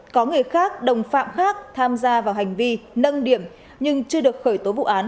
có người khác đồng phạm khác tham gia vào hành vi nâng điểm nhưng chưa được khởi tố vụ án